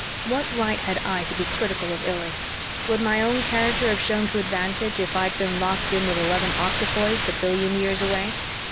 What right had I to be critical of Illy? Would my own character have shown to advantage if I'd been locked in with eleven octopoids a billion years away?